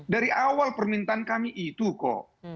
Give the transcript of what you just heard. dari awal permintaan kami itu kok